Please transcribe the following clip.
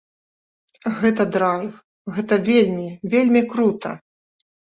Гэта драйв, гэта вельмі, вельмі крута!